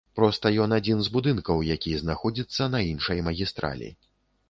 Проста ён адзін з будынкаў, які знаходзіцца на іншай магістралі.